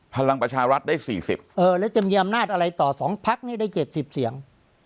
พลังประชารัฐได้๔๐แล้วจะมีอำนาจอะไรต่อ๒พักให้ได้๗๐เสียง